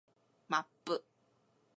マップ